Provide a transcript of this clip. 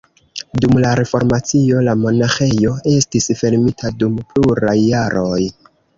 Dum la reformacio la monaĥejo estis fermita dum pluraj jaroj.